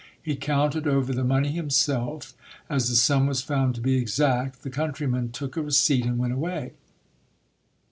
He counted over the money himself. As the sum was found to be exact, the countryman took a receipt and went away.